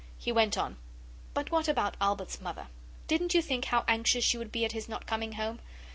He went on 'But what about Albert's mother? Didn't you think how anxious she would be at his not coming home?